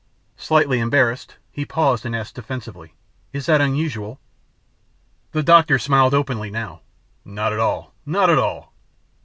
Slightly embarrassed, he paused and asked defensively, "Is that unusual?" The doctor smiled openly now, "Not at all, not at all.